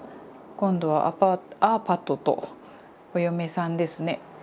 今度はアパートアーパトとお嫁さんですね。